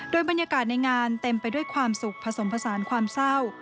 โดยบรรยากาศในงานเต็มไปด้วยความสุขผสมผสานความเศร้า